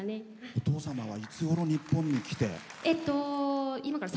お父様はいつごろ、日本に来て？